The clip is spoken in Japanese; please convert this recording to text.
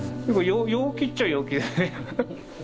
陽気っちゃ陽気だね。